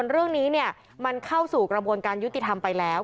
เรื่องนี้มันเข้าสู่กระบวนการยุติธรรมไปแล้ว